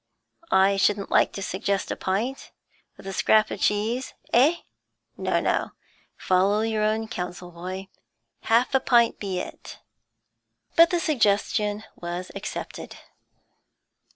I shouldn't like to suggest a pint, with a scrap of cheese. Eh? No, no; follow your own counsel, boy; half a pint be it.' But the suggestion was accepted.